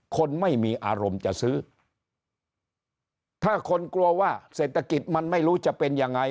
คนไม่มีอารมณ์จะซื้อถ้าคนกลัวว่าเศรษฐกิจมันไม่รู้จะเป็นยังไง